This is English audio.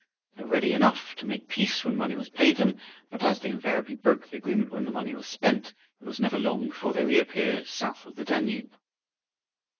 They were ready enough to make peace when money was paid them, but as they invariably broke the agreement when the money was spent, it was never long before they reappeared south of the Danube.